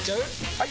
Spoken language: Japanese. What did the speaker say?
・はい！